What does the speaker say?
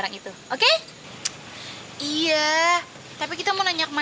jangan sedih ya